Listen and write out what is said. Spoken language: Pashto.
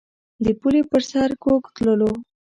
د پولې پر سر کوږ تلو.